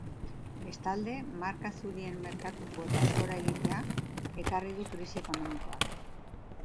Bestalde, marka zurien merkatu-kuotak gora egitea ekarri du krisi ekonomikoak.